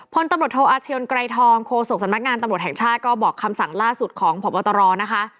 พลตำรวจโทอาเชียนไกรทองโคศกสำนักงานตำรวจแห่งชาติก็บอกคำสั่งล่าสุดของพบตรนะคะ